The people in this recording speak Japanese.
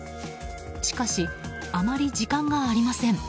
しかし、あまり時間がありません。